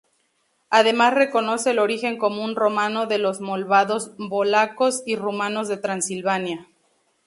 Además reconoce el origen común romano de los moldavos, valacos y rumanos de Transilvania.